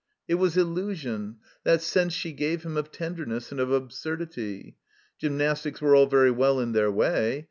It was illusion, that sense she gave him of tenderness and of abstirdity. Gymnastics were all very well in their 'way.